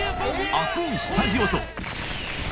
熱いスタジオと